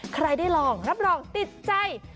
ใครได้ลองรับรองติดใจ